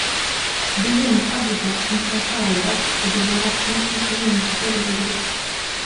Devenu avocat, il s'installe à Dax et devient rapidement conseiller municipal de la ville.